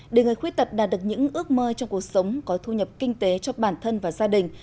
để người khuyết tật đạt được những ước mơ trong cuộc sống có thu nhập kinh tế cho bản thân và gia đình